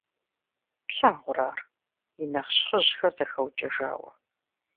Плъагъурэ ар, и нэщхъыжьхэр зэхэукӀэжауэ!